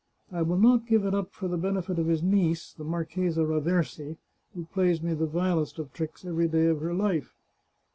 I will not give it up for the benefit of his niece, the Marchesa Raversi, who plays me the vilest of tricks every day of her life.